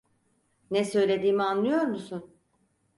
Ne söylediğimi anlıyor musun?